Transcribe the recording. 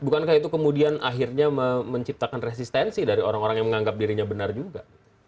bukankah itu kemudian akhirnya menciptakan resistensi dari orang orang yang menganggap dirinya benar juga